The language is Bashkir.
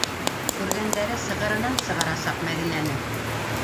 Күргәндәре сығырынан сығарасаҡ Мәҙинәне!